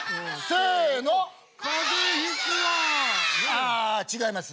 ああ違います。